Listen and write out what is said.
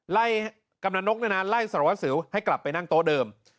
กำลังนกไล่สารวัสสิวให้กลับไปนั่งโต๊ะเดิม